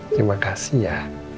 terima kasih ya